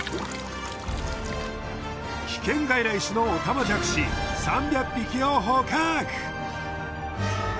危険外来種のオタマジャクシ３００匹を捕獲！